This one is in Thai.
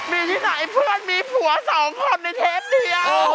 มีที่ไหนมีผัวสาวคล่อในเทปเดียว